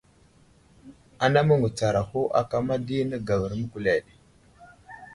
Ana məŋgutsaraho akama di nəgar məkuleɗ.